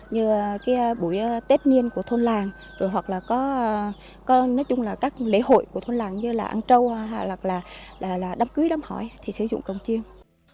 như cái buổi tết niên của thôn làng hoặc là có các lễ hội của thôn làng như là ăn trâu đám cưới đám hỏi thì sử dụng cổng chiêng